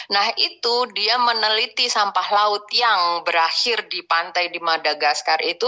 nah itu dia meneliti sampah laut yang berakhir di pantai di madagaskar itu